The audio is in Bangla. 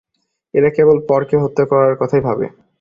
এরা কেবল পরকে হত্যা করার কথাই ভাবে।